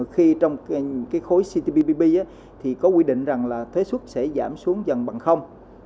khi trong khối cptpp có quy định là thuế xuất sẽ giảm xuống dần bằng